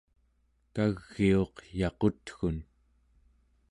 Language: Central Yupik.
kagiuq yaqutgun